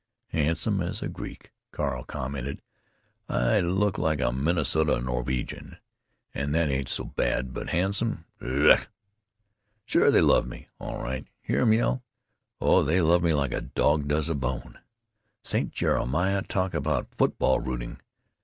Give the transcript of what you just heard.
"Handsome as a Greek——" Carl commented. "I look like a Minnesota Norwegian, and that ain't so bad, but handsome——Urrrrrg!... Sure they love me, all right. Hear 'em yell. Oh, they love me like a dog does a bone.... Saint Jemima! talk about football rooting....